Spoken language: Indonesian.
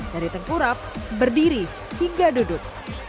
dari tengkurap berdiri hingga duduk